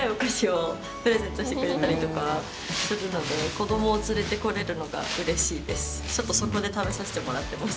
子どもを連れてこれるのがうれしいです。